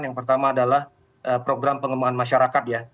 yang pertama adalah program pengembangan masyarakat ya